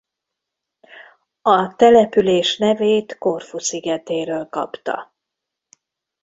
A település nevét Korfu szigetéről kapta.